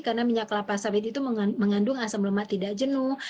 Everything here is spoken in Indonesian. karena minyak kelapa sawit itu mengandung asam lemak tidak jenuh